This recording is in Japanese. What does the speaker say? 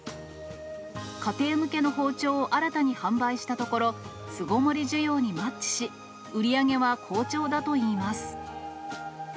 家庭向けの包丁を新たに販売したところ、巣ごもり需要にマッチし、売り上げは好調だといいます。